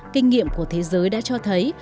kinh nghiệm của thế giới đã cho thấy